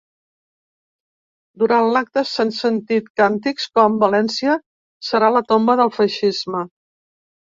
Durant l’acte s’han sentit càntics com “València serà la tomba del feixisme”.